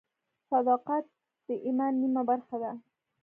صداقت د ایمان نیمه برخه ده.